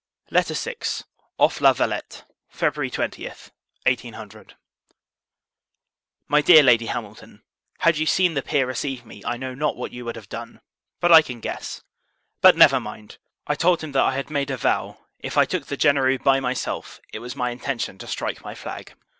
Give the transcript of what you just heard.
LETTER VI. Off La Valette, Feb. 20, 1800. MY DEAR LADY HAMILTON, Had you seen the Peer receive me, I know not what you would have done; but, I can guess. But never mind! I told him, that I had made a vow, if I took the Genereux by myself, it was my intention to strike my flag.